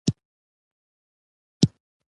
یوې غوا ته په پنځوس زره هم راضي نه شو.